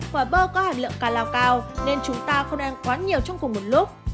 quả bơ có hạt lượng calo cao nên chúng ta không nên ăn quá nhiều trong cùng một lúc